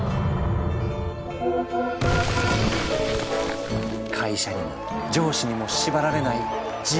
会社にも上司にも縛られない自由な生き方！